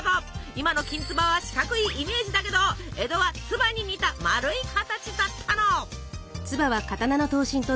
今のきんつばは四角いイメージだけど江戸は鍔に似た丸い形だったの。